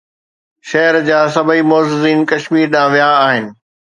شهر جا سڀئي معززين ڪشمير ڏانهن ويا آهن.